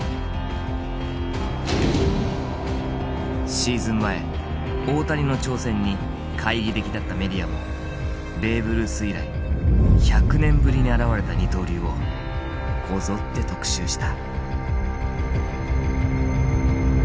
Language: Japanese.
シーズン前大谷の挑戦に懐疑的だったメディアもベーブ・ルース以来１００年ぶりに現れた二刀流をこぞって特集した。